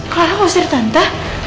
clara ngusir tata